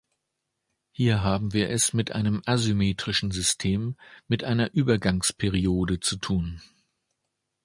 Hier haben wir es mit einem asymmetrischen System, mit einer Übergangsperiode zu tun.